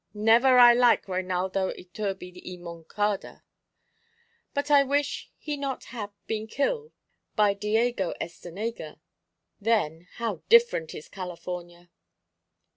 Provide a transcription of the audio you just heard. Never I like Reinaldo Iturbi y Moncada; but I wish he not have been kill by Diego Estenega. Then, how different is California!"